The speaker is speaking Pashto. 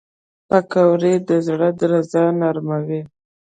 پکورې د زړه درزا نرموي